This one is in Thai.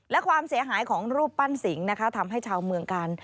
และความเสียหายของรูปปั้นสิงห์นะคะทำให้ชาวเมืองกาล